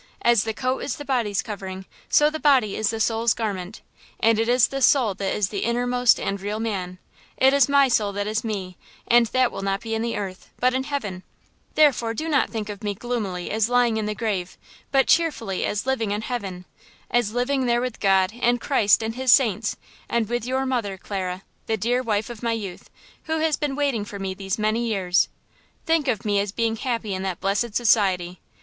As the coat is the body's covering, so the body is the soul's garment, and it is the soul that is the innermost and real man; it is my soul that is me; and that will not be in the earth, but in heaven; therefore, do no think of me gloomily as lying in the grave, but cheerfully as living in heaven–as living there with God and Christ and His saints, and with your mother, Clara, the dear wife of my youth, who has been waiting for me these many years. Think of me as being happy in that blessed society.